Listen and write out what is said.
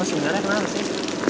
mas sebenarnya kenapa sih